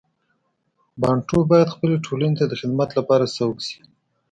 بانټو باید خپلې ټولنې ته د خدمت لپاره سوق شي.